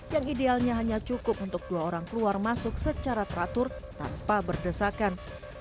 yang idealnya hanya cukup untuk dua orang keluar masuk secara teratur tanpa berdesakan